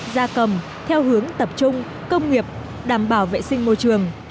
gia cầm theo hướng tập trung công nghiệp đảm bảo vệ sinh môi trường